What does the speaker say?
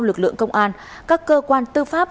lực lượng công an các cơ quan tư pháp